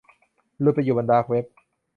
หลุดไปอยู่บนดาร์กเว็บ